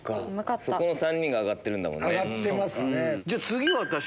そこの３人が上がってるんだもんね。